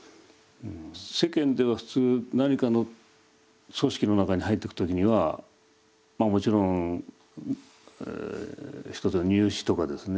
世間では普通何かの組織の中に入っていく時にはまあもちろん一つは入試とかですね